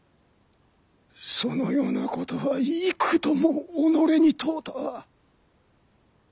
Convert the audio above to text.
そのようなことは幾度も己に問うたわ。